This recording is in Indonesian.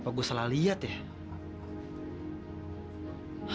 apa gue salah lihat ya